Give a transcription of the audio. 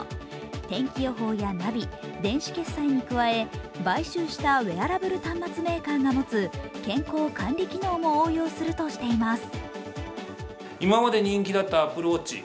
天気予報やナビ、電子決算に加え、買収したウエアラブル端末メーカーが持つ健康管理機能も応用するとしています。